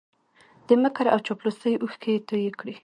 د مکر او چاپلوسۍ اوښکې یې توی کړې